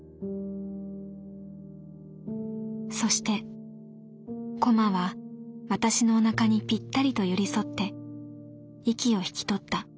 そしてコマは私のお腹にピッタリと寄り添って息を引き取った。